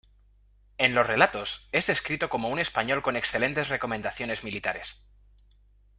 En los relatos, es descrito como "un español con excelentes recomendaciones militares".